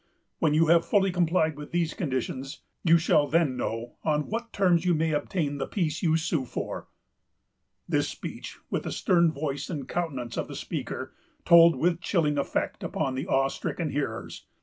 When you have fully complied with these conditions, you shall then know on what terms you may obtain the peace you sue for." This speech, with the stern voice and countenance of the speaker, told with chilling effect upon the awe stricken hearers.